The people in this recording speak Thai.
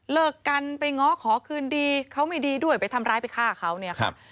เลิกกันไปง้อขอคืนดีเขาไม่ดีด้วยไปทำร้ายไปฆ่าเขาเนี่ยครับ